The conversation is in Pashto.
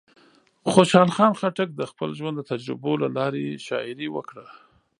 خوشحال خان خټک د خپل ژوند د تجربو له لارې شاعري وکړه.